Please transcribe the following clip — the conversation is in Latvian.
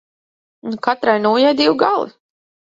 Katrai nūjai divi gali.